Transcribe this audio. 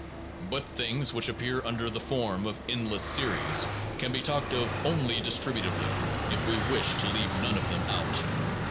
But things which appear under the form of endless series can be talked of only distributively, if we wish to leave none of them out.